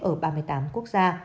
ở ba mươi tám quốc gia